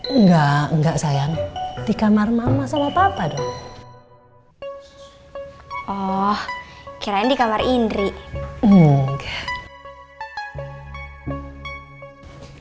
enggak enggak sayang di kamar mama sama papa dong oh kirain di kamar indri